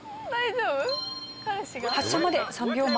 発車まで３秒前。